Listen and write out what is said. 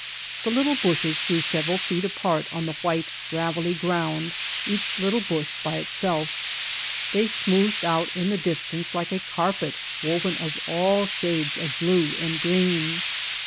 The little bushes grew several feet apart on the white, gravelly ground, each little bush by itself. They smoothed out in the distance like a carpet woven of all shades of blue and green.